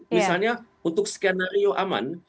misalnya untuk skenario aman